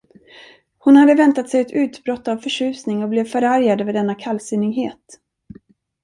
Hon hade väntat sig ett utbrott av förtjusning och blev förargad över denna kallsinnighet.